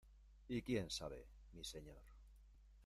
¡ y quién sabe, mi señor!...